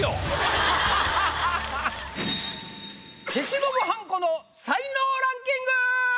消しゴムはんこの才能ランキング！